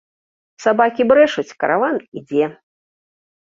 Сабакі брэшуць, караван ідзе!